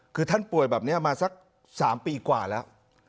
คือท่านป่วยแบบนี้มาสัก๓ปีกว่าแล้ว